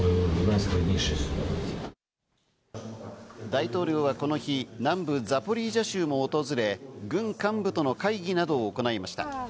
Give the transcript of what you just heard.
大統領はこの日、南部ザポリージャ州も訪れ、軍幹部との会議などを行いました。